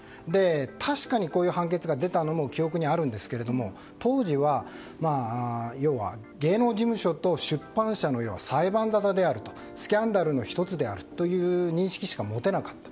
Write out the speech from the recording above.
確かに、こういう判決が出たのも記憶にあるんですが当時は要は芸能事務所と出版社の裁判沙汰であるとスキャンダルの１つであるという認識しか持てなかった。